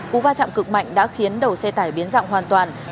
cú va chạm cực mạnh đã khiến đầu xe tải biến dạng hoàn toàn